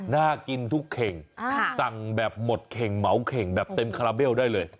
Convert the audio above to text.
น่ากินทุกเข่งสั่งแบบหมดเข่งเหมาเข่งแบบเต็มคาราเบลได้เลย